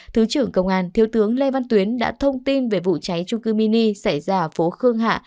thứ trưởng công an thiếu tướng lê văn tuyến đã thông tin về vụ cháy trung cư mini xảy ra ở phố khương hạ